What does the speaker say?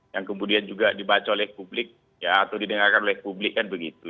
yang kemudian juga dibaca oleh publik atau didengarkan oleh publik kan begitu